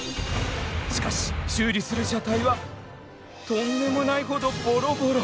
しかし修理する車体はとんでもないほどボロボロ！